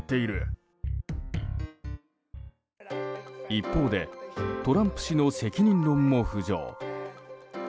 一方でトランプ氏の責任論も浮上。